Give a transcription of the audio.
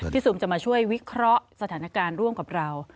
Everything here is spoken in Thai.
ซูมจะมาช่วยวิเคราะห์สถานการณ์ร่วมกับเรา